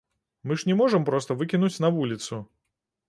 Мы ж не можам проста выкінуць на вуліцу.